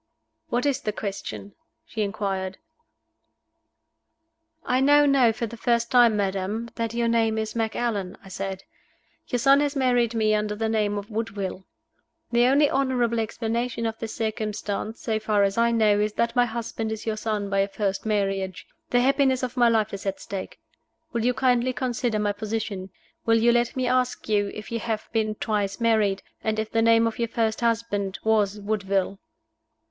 "What is the question?" she inquired. "I now know for the first time, madam, that your name is Macallan," I said. "Your son has married me under the name of Woodville. The only honorable explanation of this circumstance, so far as I know, is that my husband is your son by a first marriage. The happiness of my life is at stake. Will you kindly consider my position? Will you let me ask you if you have been twice married, and if the name of your first husband was Woodville?"